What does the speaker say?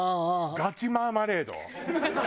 ガチマーマレード。